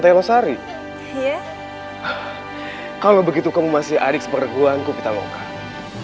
hai guru kukai jabat ilmu yang tadi kamu sebutkan aku peroleh dari